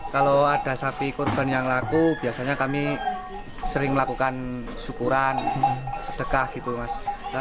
kalau ada sapi korban yang laku biasanya kami sering melakukan syukuran sedekah gitu mas